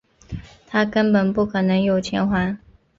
他根本不可能有钱还